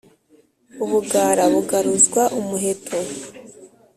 U Bugara bugaruzwa umuheto.